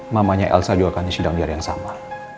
mamanya elsa juga akan disidang di hari yang sama